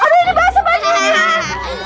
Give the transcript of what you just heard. aduh ini basah banget